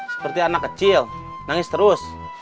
seperti anak kecil nangis terus